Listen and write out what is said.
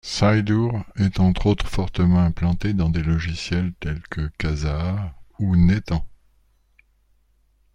Cydoor est entre autres fortement implanté dans des logiciels tels que Kazaa ou Netant.